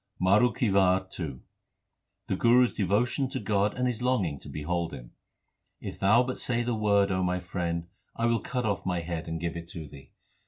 MARU KI WAR II The Guru s devotion to God and his longing to behold Him : If Thou but say the Word, my Friend, I will cut off my head and give it Thee.